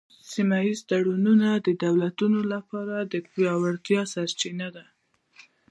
سیمه ایز تړونونه د دولتونو لپاره د پیاوړتیا سرچینه ده